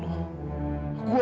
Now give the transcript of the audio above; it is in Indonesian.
lu harus bertahan demi kamila